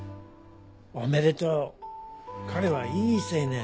おめでとう彼はいい青年。